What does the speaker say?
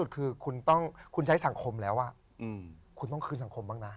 คือคุณใช้สังคมแล้วคุณต้องคืนสังคมบ้างนะ